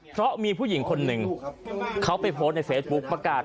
เพราะมีผู้หญิงคนหนึ่งเขาไปโพสต์ในเฟซบุ๊คประกาศ